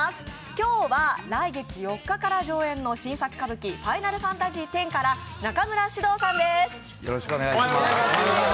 今日は来月４日から上演の「新作歌舞伎ファイナルファンタジーⅩ」から中村獅童さんです。